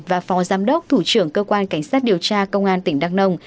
và phó giám đốc thủ trưởng cơ quan cảnh sát điều tra công an tỉnh đắk nông